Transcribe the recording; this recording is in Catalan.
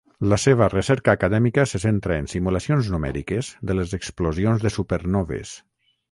La seva recerca acadèmica se centra en simulacions numèriques de les explosions de supernoves.